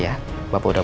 jangan pake school ty